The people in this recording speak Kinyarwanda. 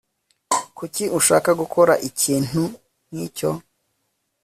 kuki ushaka gukora ikintu nkicyo